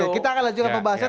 kita akan lanjutkan pembahasannya